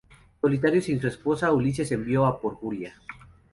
Solitario sin su esposa, Ulysses envió a por Julia.